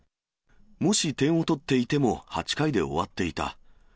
もし点を取っていても、８回で終わっていた。